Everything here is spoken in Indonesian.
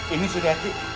ini suri hati